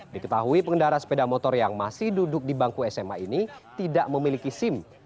diketahui pengendara sepeda motor yang masih duduk di bangku sma ini tidak memiliki sim